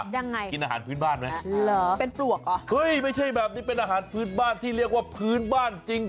ยังไงเป็นปลวกเหรอเห้ยไม่ใช่แบบนี้เป็นอาหารพื้นบ้านที่เรียกว่าพื้นบ้านจริง